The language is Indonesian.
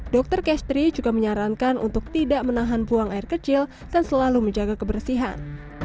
dokter kestri juga menyarankan untuk tidak menahan buang air kecil dan selalu menjaga kebersihan